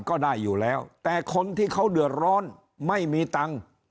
ก็ได้อยู่แล้วแต่คนที่เขาเดือดร้อนไม่มีตังค์